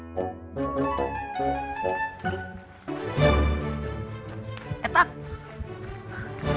oh kopi pahitnya jadi dua gelas